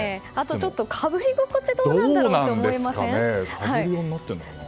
かぶり心地どうなんだろうと思いません？